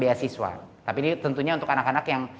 beasiswa tapi ini tentunya untuk anak anak yang